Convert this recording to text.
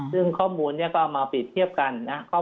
ซึ่งข้อมูลนี้ก็เอามาเปรียบเทียบกันนะครับ